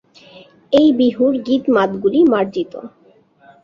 এই বিহুর গীত-মাতগুলি মার্জিত।